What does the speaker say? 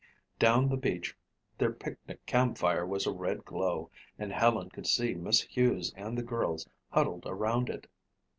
Down the beach their picnic campfire was a red glow and Helen could see Miss Hughes and the girls huddled around it.